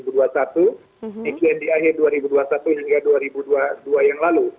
demikian di akhir dua ribu dua puluh satu hingga dua ribu dua puluh dua yang lalu